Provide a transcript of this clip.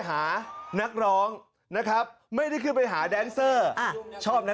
น้ำแข็งพี่มีน้องชายู่คนหนึ่ง